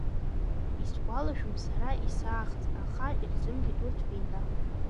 Исгәалашәом сара исаахаз, аха ирзымгеит урҭ феида…